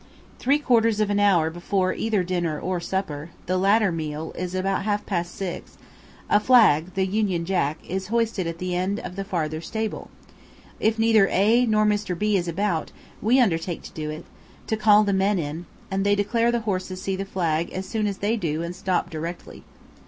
Three quarters of an hour before either dinner or supper (the latter meal is about half past 6) a flag, the Union Jack, is hoisted at the end of the farther stable if neither A nor Mr. B is about, we undertake to do it to call the men in; and they declare the horses see the flag as soon as they do and stop directly.